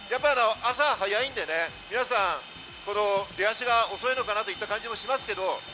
朝早いんでね、皆さん、出足が遅いのかなといった感じもしますけど。